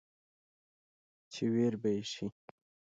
چې وېر به يې شي ،